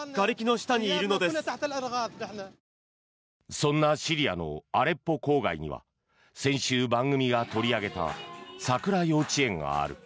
そんなシリアのアレッポ郊外には先週、番組が取り上げたＳＡＫＵＲＡ幼稚園がある。